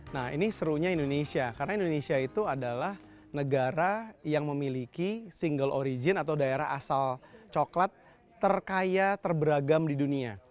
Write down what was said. nah ini serunya indonesia karena indonesia itu adalah negara yang memiliki single origin atau daerah asal coklat terkaya terberagam di dunia